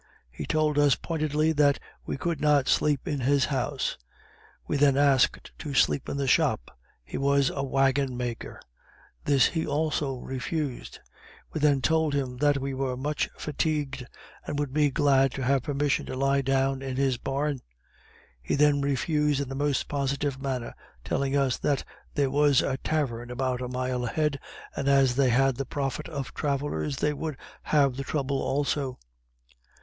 He told us pointedly that we could not sleep in his house. We then asked to sleep in the shop, (he was a wagon maker:) this he also refused; we then told him that we were much fatigued, and would be glad to have permission to lie down in his barn. He then refused in the most positive manner; telling us that there was a tavern about a mile ahead, and as they had the profit of travellers, they should have the trouble also.